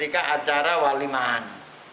itu ketika acara wali mahan